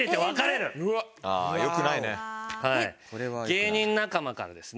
芸人仲間からですね